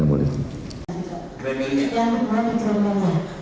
grand melia itu adalah jenam lagi